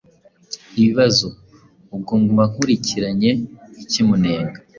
ibibazo. Ubwo mba nkurikiranye iki munenga?